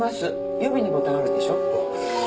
予備のボタンあるでしょ？